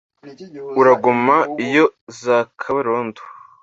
uraguma iyo zakabarondo